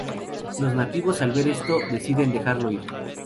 Los nativos al ver esto deciden dejarlo ir.